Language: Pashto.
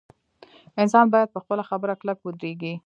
انسان باید په خپله خبره کلک ودریږي.